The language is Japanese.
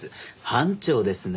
班長ですね。